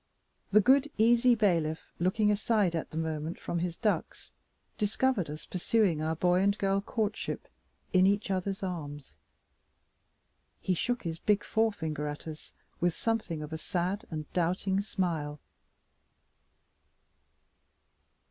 The good easy bailiff, looking aside at the moment from his ducks, discovered us pursuing our boy and girl courtship in each other's arms. He shook his big forefinger at us, with something of a sad and doubting smile.